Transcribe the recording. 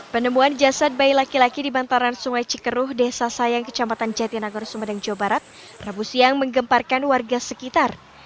penemuan jasad bayi laki laki di bantaran sungai cikeruh desa sayang kecamatan jatinagor sumedang jawa barat rabu siang menggemparkan warga sekitar